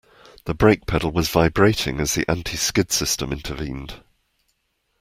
The brake pedal was vibrating as the anti-skid system intervened.